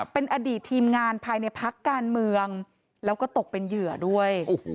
เป็นอดีตทีมงานภายในพักการเมืองแล้วก็ตกเป็นเหยื่อด้วย